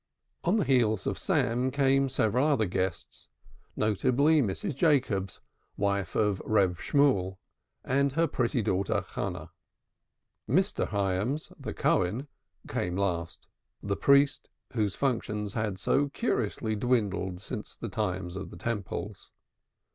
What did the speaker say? On the heels of Sam came several other guests, notably Mrs. Jacobs (wife of "Reb" Shemuel), with her pretty daughter, Hannah. Mr. Hyams, the Cohen, came last the Priest whose functions had so curiously dwindled since the times of the Temples.